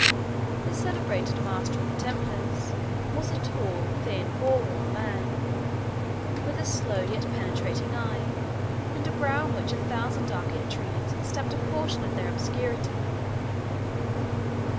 The celebrated Master of the Templars was a tall, thin, war worn man, with a slow yet penetrating eye, and a brow on which a thousand dark intrigues had stamped a portion of their obscurity.